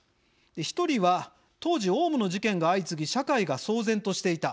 １人は当時オウムの事件が相次ぎ社会が騒然としていた。